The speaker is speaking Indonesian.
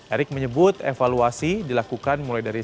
erick menyebut evaluasi dilakukan mulai dari